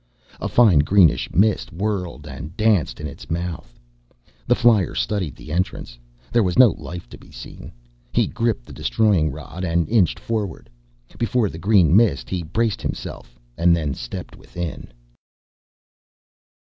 A fine greenish mist whirled and danced in its mouth. The flyer studied the entrance. There was no life to be seen. He gripped the destroying rod and inched forward. Before the green mist he braced himself and then stepped within.